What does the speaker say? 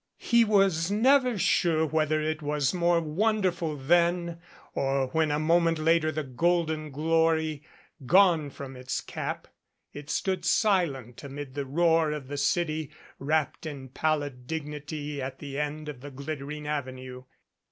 He was never sure whether it was more wonderful then, or when a moment later the golden glory gone from its cap, it stood silent amid the roar of the city wrapped in pallid dignity at the end of the glittering Avenue.